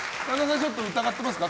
ちょっと疑ってますか？